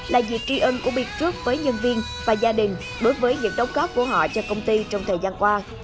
là dịp tri ân của b group với nhân viên và gia đình đối với những đóng góp của họ cho công ty trong thời gian qua